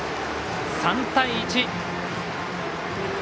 ３対１。